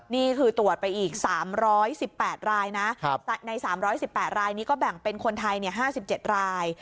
นี่คือตรวจไปอีก๓๑๘รายนะใน๓๑๘รายนี้ก็แบ่งเป็นคนไทย๕๗ราย